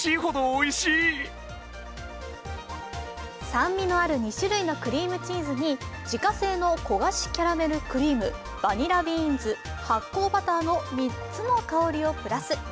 酸味のある２種類のクリームチーズに自家製の焦がしキャラメルクリーム、バニラビーンズ、発酵バターの３つの香りをプラス。